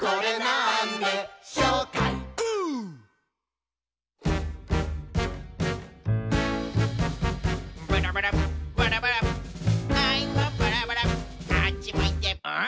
「あっちむいて」ん？